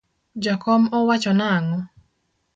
Jakom owacho nangó?